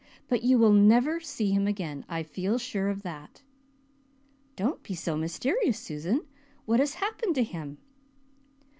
But you will never see him again. I feel sure of that." "Don't be so mysterious, Susan. What has happened to him?"